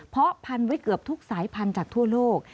เพราะพันไว้เกือบทุกสายพันธุ์จากทั่วโลก